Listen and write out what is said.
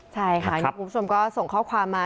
ใช่ค่ะนี่คุณผู้ชมก็ส่งข้อความมา